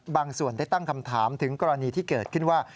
ส่วนได้ตั้งคำถามถึงกรณีที่เกิดขึ้นว่า